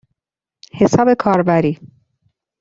حساب کاربری